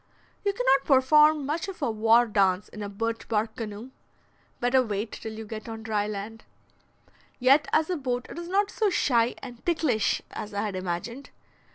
You cannot perform much of a war dance in a birch bark canoe: better wait till you get on dry land. Yet as a boat it is not so shy and "ticklish" as I had imagined.